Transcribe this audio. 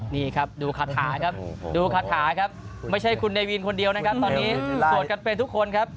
นี่ครับดูคาถาครับดูคาถาครับไม่ใช่คุณเนวินคนเดียวนะครับตอนนี้สวดกันเป็นทุกคนครับ